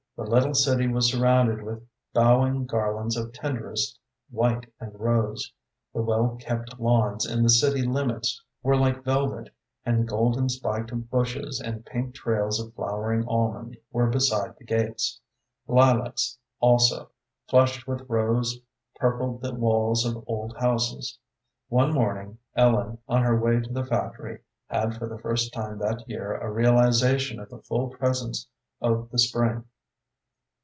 The little city was surrounded with bowing garlands of tenderest white and rose, the well kept lawns in the city limits were like velvet, and golden spiked bushes and pink trails of flowering almond were beside the gates. Lilacs also, flushed with rose, purpled the walls of old houses. One morning Ellen, on her way to the factory, had for the first time that year a realization of the full presence of the spring.